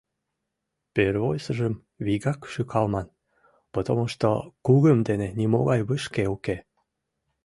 Первойсыжым вигак шӱкалман, потомушто кугым дене нимогай вышке уке.